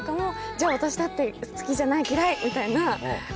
じゃあ私だって好きじゃない「嫌い」みたいな。